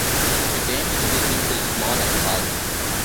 It aims to be simple, small and fast.